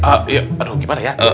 aduh gimana ya